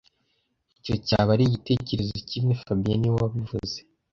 Icyo cyaba ari igitekerezo kimwe fabien niwe wabivuze